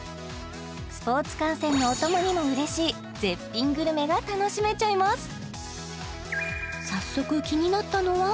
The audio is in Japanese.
スポーツ観戦のお供にもうれしい絶品グルメが楽しめちゃいますあっ